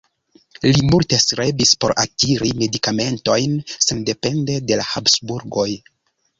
Li multe strebis por akiri medikamentojn sendepende de la Habsburgoj.